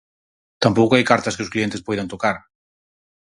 Tampouco hai cartas que os clientes poidan tocar.